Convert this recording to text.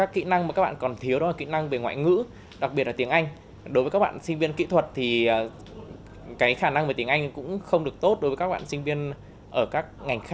không được tốt đối với các bạn sinh viên ở các ngành khác